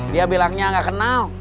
dia bilangnya gak kenal